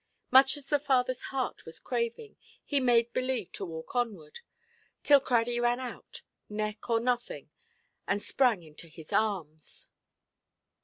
Much as the fatherʼs heart was craving, he made believe to walk onward, till Craddy ran out, neck or nothing, and sprang into his arms.